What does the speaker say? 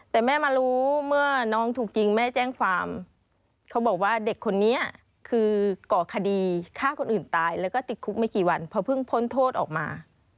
แต่แม่มารู้เมื่อน้องถูกยิงแม่แจ้งความเขาบอกว่าเด็กคนนี้คือก่อคดีฆ่าคนอื่นตายแล้วก็ติดคุกไม่กี่วันเพราะเพิ่งพ้นโทษออกมา